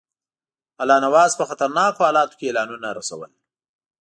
الله نواز په خطرناکو حالاتو کې اعلانونه رسول.